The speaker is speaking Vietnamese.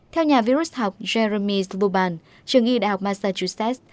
theo nhà virus học jeremy sluban trường y đh massachusetts